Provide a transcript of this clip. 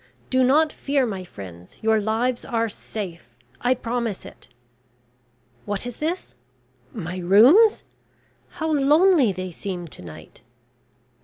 Do not fear, my friends, your lives are safe. I promise it... What is this? My rooms? How lonely they seem to night.